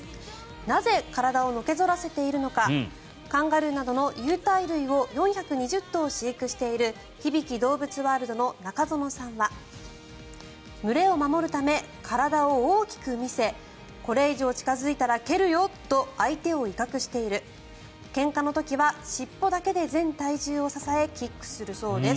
なぜ、体をのけ反らせているのかカンガルーなどの有袋類を４２０頭飼育しているひびき動物ワールドの中ノ園さんは群れを守るため、体を大きく見せこれ以上近付いたら蹴るよと相手を威嚇しているけんかの時は尻尾だけで全体重を支えキックするそうです。